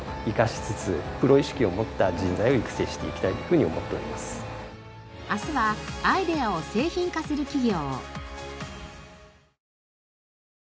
引き続き明日はアイデアを製品化する企業。